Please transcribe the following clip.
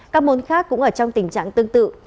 các môn khác cũng ở trong tình trạng tương tự